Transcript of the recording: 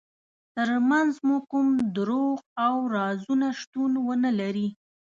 ترمنځ مو کوم دروغ او رازونه شتون ونلري.